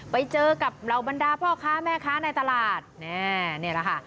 ไปเจอกับเหล่าบรรดาพ่อค้าแม่ค้าในตลาดนี่แหละค่ะ